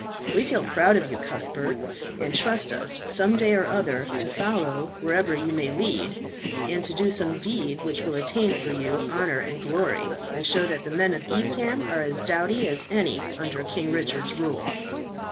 We feel proud of you, Cuthbert; and trust us some day or other to follow wherever you may lead, and to do some deed which will attain for you honour and glory, and to show that the men of Evesham are as doughty as any under King Richard's rule."